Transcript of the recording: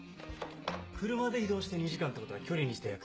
車で移動して２時間ってことは距離にして約１２０ｋｍ。